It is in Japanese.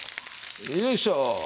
よいしょ！